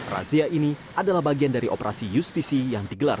razia ini adalah bagian dari operasi justisi yang digelar